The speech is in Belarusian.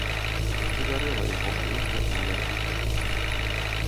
Яшчэ гарэла яго маленькая кволая іскрачка.